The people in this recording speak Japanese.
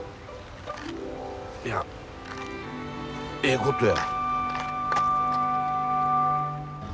いやええことや。